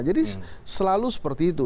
jadi selalu seperti itu